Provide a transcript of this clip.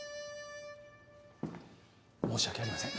申し訳ありません。